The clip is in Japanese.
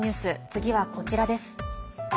次はこちらです。